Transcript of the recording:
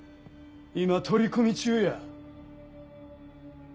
今取り込み中や。